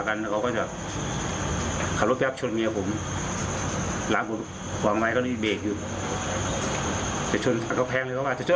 มองบ่นอีกเขาก็